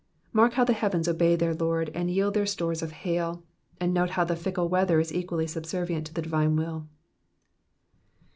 Mark how the heavens obey their Lord and yield their stores of hail, and note how the tickle weather is equally subservient to the divine will.